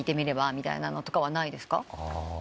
みたいなのとかはないですか？